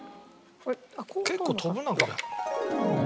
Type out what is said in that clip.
結構飛ぶなこれ。